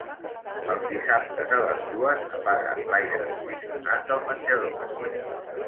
Els dissabtes a les dues apaga l'aire condicionat del menjador.